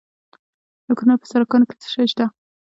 د کونړ په سرکاڼو کې څه شی شته؟